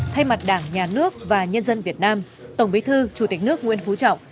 thay mặt đảng nhà nước và nhân dân việt nam tổng bí thư chủ tịch nước nguyễn phú trọng